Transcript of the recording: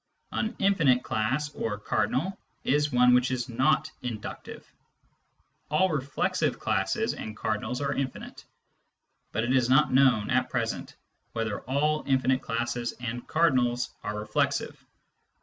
An infinite class or cardinal is one which is not inductive. All reflexive classes and cardinals are infinite ; but it is not known at present whether all infinite classes and cardinals are reflexive.